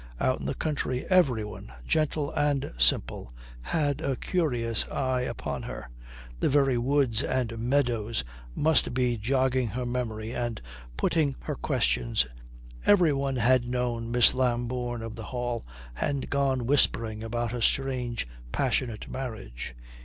Out in the country every one, gentle and simple, had a curious eye upon her. The very woods and meadows must be jogging her memory and putting her questions. Every one had known Miss Lambourne of the Hall and gone whispering about her strange, passionate marriage.